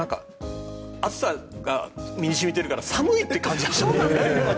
暑さが身に染みているから寒いって感じるね。